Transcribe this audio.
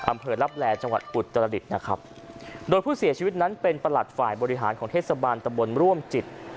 อำเภอลับแลจังหวัดอุตรดิษฐ์นะครับโดยผู้เสียชีวิตนั้นเป็นประหลัดฝ่ายบริหารของเทศบาลตะบนร่วมจิต